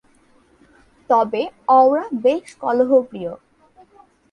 তবে অওরা বেশ কলহপ্রিয়।